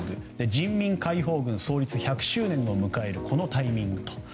人民解放軍創立１００周年を迎えるタイミングと。